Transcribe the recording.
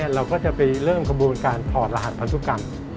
เราก็จะไปเริ่มกระบวนการทอดหลาดพฤตุกรรม